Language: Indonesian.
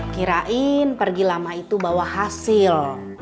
kirain pergi lama itu bawa hasil